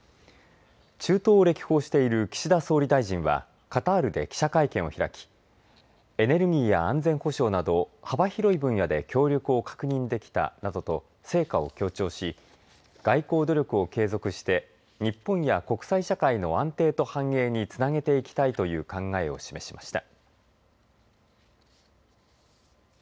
中東を歴訪している岸田総理大臣はカタールで記者会見を開きエネルギーや安全保障など幅広い分野で協力を確認できたなどと成果を強調し外交努力を継続して日本や国際社会の安定と繁栄につなげていきたいという考えを示しました。